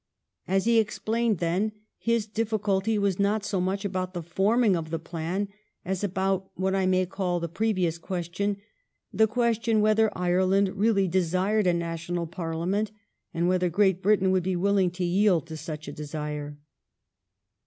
As he explained then, his difficulty was not so much about the forming of the plan as about, what I may call, the previous question ; the question whether Ireland really desired a national Parliament and whether Great Britain would be willing to yield to such a desire.